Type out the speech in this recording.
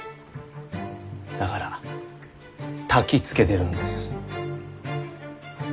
だからたきつけてるんです。